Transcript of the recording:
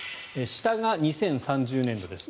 下が２０３０年度です。